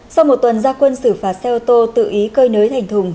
sau một tuần gia quân xử phạt xe ô tô tự ý cơi nới thành thùng